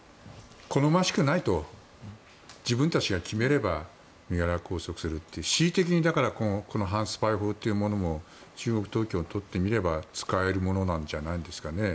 好ましくないと自分たちが決めれば身柄を拘束するという恣意的に反スパイ法というものも中国当局にとってみれば使えるものなんじゃないですかね。